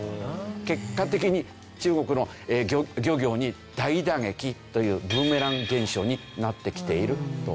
結果的に中国の漁業に大打撃というブーメラン現象になってきているという事ですよね。